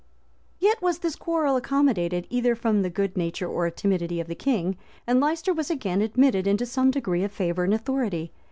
Yet was this quarrel accommodated, either from the good nature or timidity of the king, and Leicester was again admitted into some degree of favor and authority.